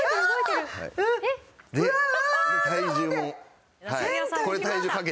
で体重を。